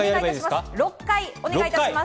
６回お願いします。